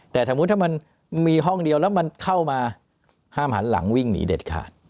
แต่สมมุติถ้ามันมีห้องเดียวแล้วมันเข้ามาห้ามหันหลังวิ่งหนีเด็ดขาด